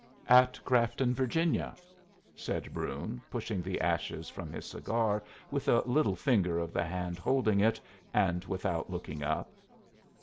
"At Grafton, Virginia," said Brune, pushing the ashes from his cigar with the little finger of the hand holding it, and without looking up.